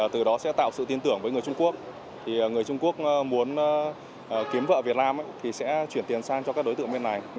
từ đó sẽ tạo sự tin tưởng với người trung quốc người trung quốc muốn kiếm vợ việt nam thì sẽ chuyển tiền sang cho các đối tượng bên này